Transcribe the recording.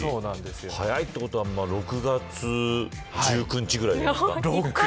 早いということは６月１９日ぐらいじゃないですか。